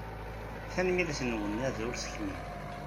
Tanemmirt nnwen ad ur tekmim!